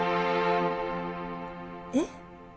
えっ？